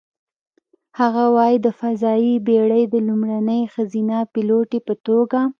هغه وايي: "د فضايي بېړۍ د لومړنۍ ښځینه پیلوټې په توګه،